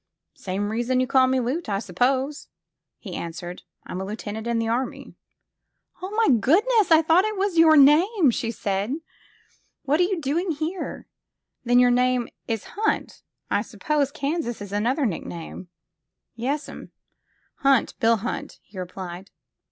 Same reason as you call me Loot, I suppose," he answered. I'm a lieutenant in the Army." Oh, my goodness ! I thought it was your name, '' she said. What are you doing here? Then your name is Hunt? I suppose Kansas is another nickname?" ''Tes'm. Hunt— Bill Hunt," he replied.